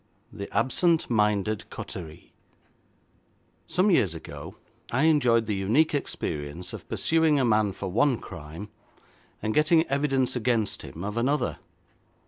The Absent Minded Coterie Some years ago I enjoyed the unique experience of pursuing a man for one crime, and getting evidence against him of another.